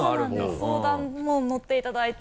相談ものっていただいて